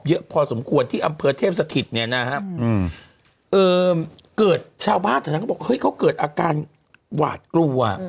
เยอะพอสมควรที่อำเภอเทพสถิตเนี่ยนะฮะเกิดชาวบ้านแถวนั้นเขาบอกเฮ้ยเขาเกิดอาการหวาดกลัว